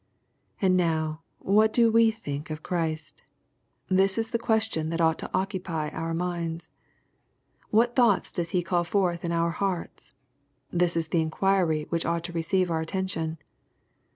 And now what do we think of Christ ? This is the question that ought to occupy our minds. What thoughts does He call forth in our hearts ? This is the inquiry which ought to receive our attention.